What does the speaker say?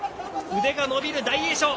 腕が伸びる大栄翔。